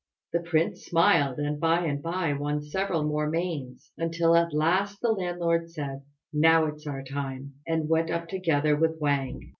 The prince smiled, and by and by won several more mains, until at last the landlord said, "Now's our time," and went up together with Wang.